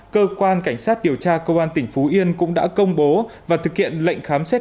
cơ quan cảnh sát điều tra công an tỉnh phú yên cũng đã công bố và thực hiện lệnh khám xét